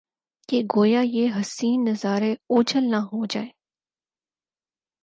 کہ گو یا یہ حسین نظارے اوجھل نہ ہو جائیں